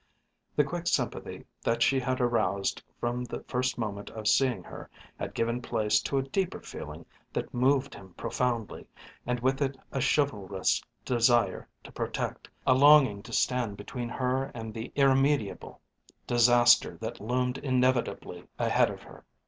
The quick sympathy that she had aroused from the first moment of seeing her had given place to a deeper feeling that moved him profoundly, and with it a chivalrous desire to protect, a longing to stand between her and the irremediable disaster that loomed inevitably ahead of her.